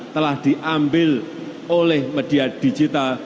telah diambil oleh media digital